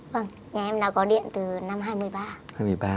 vâng nhà em đã có điện từ năm hai mươi ba